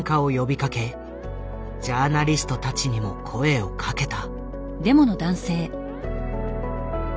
ジャーナリストたちにも声をかけた。